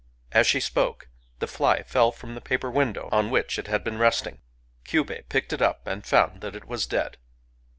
As she spoke, the fly fell from the paper win dow on which it had been resting. Kyubei picked it up^ and found that it was dead.